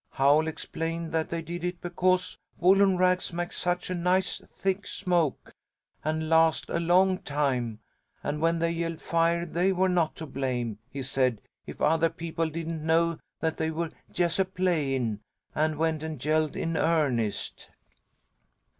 Howl explained that they did it because woollen rags make such a nice thick smoke, and last a long time, and when they yelled fire they were not to blame, he said, if other people didn't know that they were 'jes' a playin', and went and yelled in earnest.'